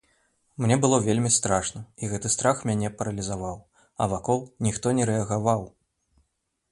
Мне было вельмі страшна, і гэты страх мяне паралізаваў, а вакол ніхто не рэагаваў.